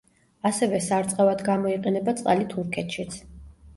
ასევე სარწყავად გამოიყენება წყალი თურქეთშიც.